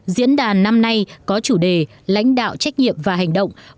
diễn đàn năm nay có chủ đề lãnh đạo trách nhiệm và hành động